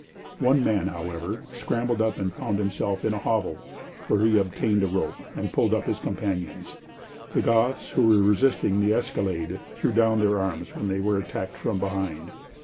One man however, scrambled up and found himself in a hovel, where he obtained a rope and pulled up his companions. The Goths who were resisting the escalade, threw down their arms when they were attacked from behind.